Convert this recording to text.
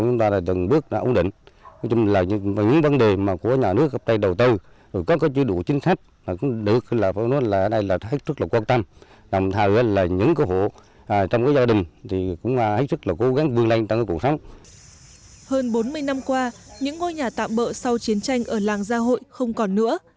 hơn bốn mươi năm qua những ngôi nhà tạm bỡ sau chiến tranh ở làng gia hội không còn nữa